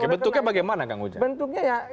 bentuknya bagaimana kang uja